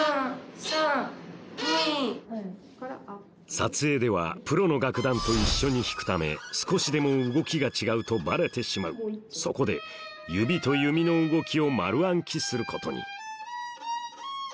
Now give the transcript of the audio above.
撮影ではプロの楽団と一緒に弾くため少しでも動きが違うとバレてしまうそこで指と弓の動きを丸暗記することに